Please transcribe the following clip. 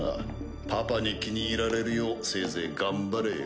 パパに気に入られるようせいぜい頑張れよ。